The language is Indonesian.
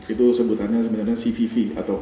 itu sebutannya cvb atau